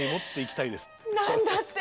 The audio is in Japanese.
何だって？